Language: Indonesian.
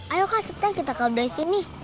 ayo kak sebetulnya kita kabur dari sini